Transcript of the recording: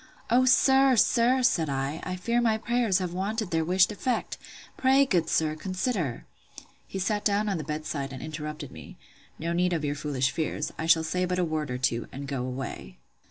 O, sir, sir, said I, I fear my prayers have wanted their wished effect! Pray, good sir, consider—He sat down on the bed side, and interrupted me; No need of your foolish fears; I shall say but a word or two, and go away.